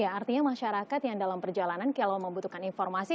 ya artinya masyarakat yang dalam perjalanan kalau membutuhkan informasi